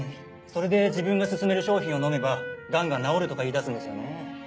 それで自分が薦める商品を飲めば癌が治るとか言いだすんですよね。